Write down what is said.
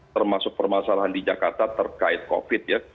termasuk permasalahan di jakarta terkait covid ya